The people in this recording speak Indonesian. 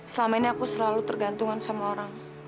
selama ini aku selalu tergantungan sama orang